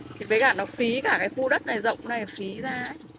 thì bấy gạt nó phí cả cái khu đất này rộng này phí ra